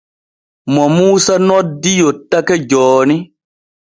Mo Muusa noddi yottake jooni.